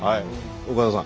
岡田さん。